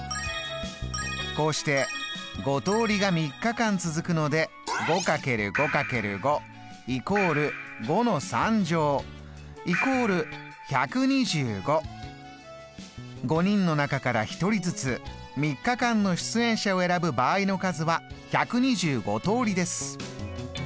こうして５通りが３日間続くので５人の中から１人ずつ３日間の出演者を選ぶ場合の数は１２５通りです。